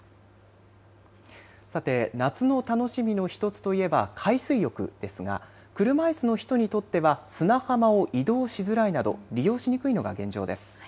さて、夏の楽しみの１つといえば海水浴ですが車いすの人にとっては砂浜を移動しづらいなど利用しにくいのが現状です。